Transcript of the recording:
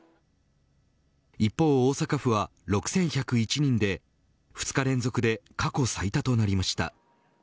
一方、大阪府は６１０１人で２日連続で過去最多となりました。